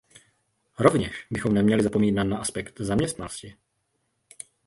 Rovněž bychom neměli zapomínat na aspekt zaměstnanosti.